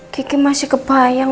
kiki masih kebayang